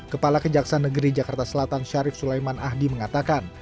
kepala kejaksaan negeri jakarta selatan syarif sulaiman ahdi mengatakan